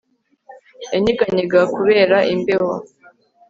Yanyeganyega kubera imbeho